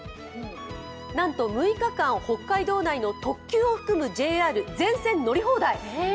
なんと６日間北海道内の特急を含む全線乗り放題。